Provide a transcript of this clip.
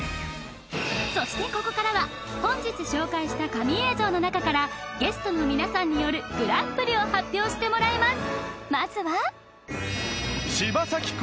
そしてここからは本日紹介した神映像のなかからゲストの皆さんによるグランプリを発表してもらいます